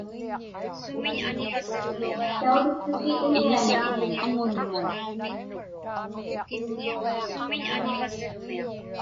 Tautuktusi unianik.